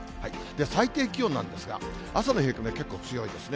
最低気温なんですが、朝の冷え込みは結構強いですね。